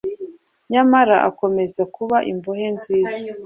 nyamara akomeza kuba imbohe nziza.